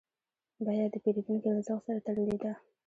بیه د پیرودونکي له ذوق سره تړلې ده.